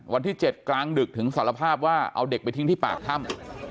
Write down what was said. วันที่๗กลางดึกถึงสารภาพว่าเอาเด็กไปทิ้งที่ปากถ้ำ